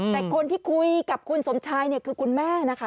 แต่คนที่คุยกับคุณสมชายเนี่ยคือคุณแม่นะคะ